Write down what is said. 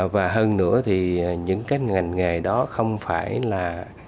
và hơn nữa thì những cái ngành nghề đó không phải là